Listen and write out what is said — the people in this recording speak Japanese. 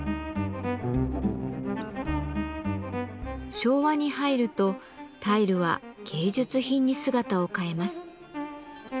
昭和に入るとタイルは芸術品に姿を変えます。